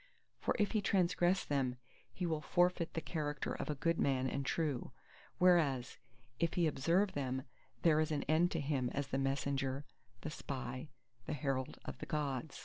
For if he transgress them, he will forfeit the character of a good man and true; whereas if he observe them, there is an end to him as the Messenger, the Spy, the Herald of the Gods!